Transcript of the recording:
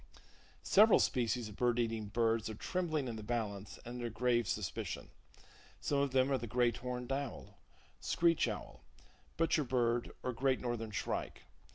Several species of bird eating birds are trembling in the balance, and under grave suspicion. Some of them are the Great Horned Owl, Screech Owl, Butcher Bird or Great Northern Shrike.